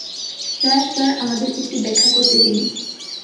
Sir, sir, আমাদের একটু ব্যাখ্যা করতে দিন!